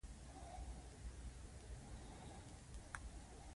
هغوی په فرانسې او هسپانیې کې بانفوذه و.